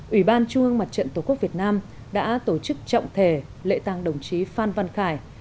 ủy ban trung ương mặt trận tổ quốc việt nam đã tổ chức trọng thể lễ tàng đồng chí phan văn khải